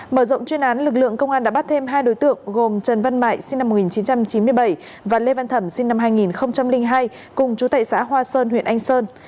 mở rộng chuyên án lực lượng công an đã bắt thêm hai đối tượng gồm trần văn mại sinh năm một nghìn chín trăm chín mươi bảy và lê văn thẩm sinh năm hai nghìn hai cùng chú tệ xã hoa sơn huyện anh sơn